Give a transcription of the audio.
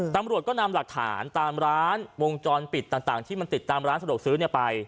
ตำรวจก็นำหลักฐานตามร้านวงจรปิดต่างที่มันติดตามร้านสะดวกซื้อไป